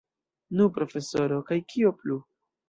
Nu, profesoro, kaj kio plu?